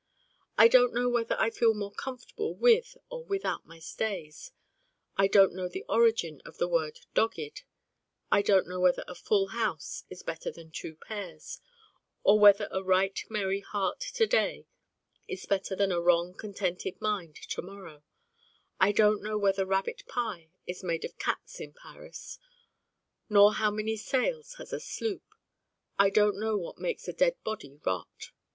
I Don't Know whether I feel more comfortable with or without my stays: I don't know the origin of the word 'dogged': I don't know whether a 'full house' is better than 'two pairs,' nor whether a right merry heart to day is better than a wrong contented mind to morrow: I don't know whether rabbit pie is made of cats in Paris, nor how many sails has a sloop: I don't know what makes a dead body rot.